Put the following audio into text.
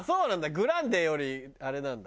グランデよりあれなんだ。